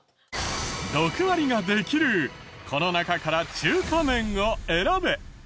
６割ができるこの中から中華麺を選べ。